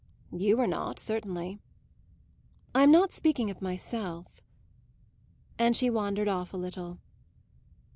"You were not, certainly." "I'm not speaking of myself." And she wandered off a little.